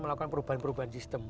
melakukan perubahan perubahan sistem